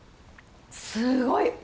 すごい！